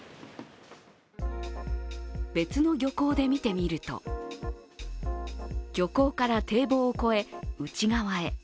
別の漁港で見てみると漁港から堤防を越え、内側へ。